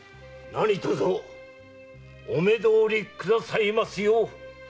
何とぞお目通りくださいますよう。